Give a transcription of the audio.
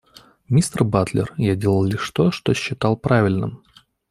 Мистер Батлер, я делал лишь то, что считал правильным.